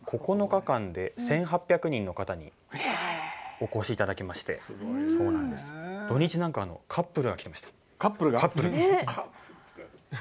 ９日間で１８００人の方にお越しいただきまして土日なんかカップルが来てました。